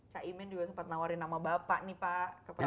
cah imen juga sempat nawarin nama bapak nih pak ke prabowo